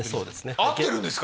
合ってるんですか？